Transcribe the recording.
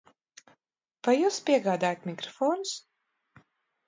Vai jūs piegādājat mikrofonus?